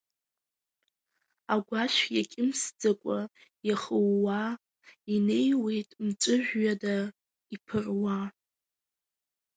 Агәашә иакьымсӡакәа иахыууаа, инеиуеит мҵәыжәҩада иԥыруа.